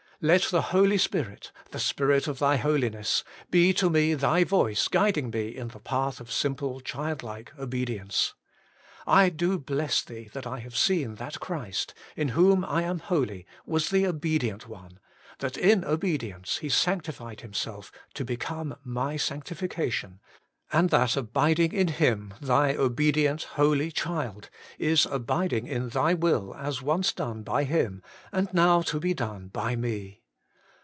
Let the Holy Spirit, the Spirit of Thy Holiness, be to me Thy voice guiding me in the path of simple, childlike obedience. I do bless Thee that I have seen that Christ, in whom I am holy, was the obedient one, that in obedience He sanctified Himself to become my sanctification, and that abiding in Him, Thy obedient, holy Child, is abiding in Thy will as once done by Him, and now to be done by me.